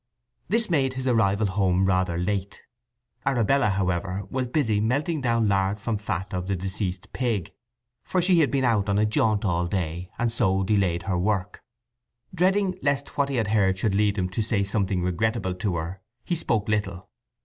This made his arrival home rather late. Arabella however, was busy melting down lard from fat of the deceased pig, for she had been out on a jaunt all day, and so delayed her work. Dreading lest what he had heard should lead him to say something regrettable to her he spoke little.